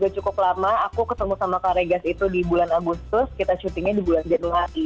cukup lama aku ketemu sama kak regas itu di bulan agustus kita syutingnya di bulan januari